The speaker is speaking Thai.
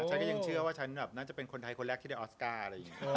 ฉันก็ยังเชื่อว่าฉันแบบน่าจะเป็นคนไทยคนแรกที่ได้ออสการ์อะไรอย่างนี้